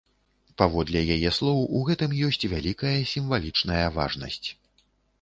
Паводле яе слоў, у гэтым ёсць вялікая сімвалічная важнасць.